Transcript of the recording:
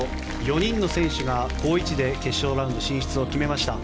４人の選手が好位置で決勝ラウンド進出を決めました。